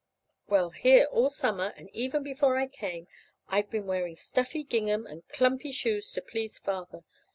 Well, here all summer, and even before I came, I've been wearing stuffy gingham and clumpy shoes to please Father.